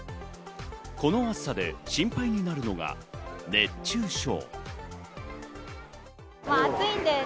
この暑さで心配になるのが熱中症。